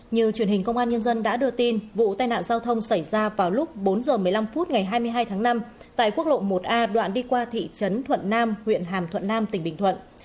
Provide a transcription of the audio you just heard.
như truyền hình công an nhân dân đã đưa tin vụ tai nạn giao thông xảy ra vào lúc bốn h một mươi năm phút ngày hai mươi hai tháng năm tại quốc lộ một a đoạn đi qua thị trấn thuận nam huyện hàm thuận nam tỉnh bình thuận